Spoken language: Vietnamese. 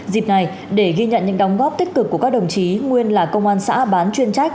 dịp này để ghi nhận những đóng góp tích cực của các đồng chí nguyên là công an xã bán chuyên trách